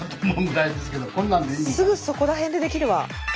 すぐそこら辺でできるわ。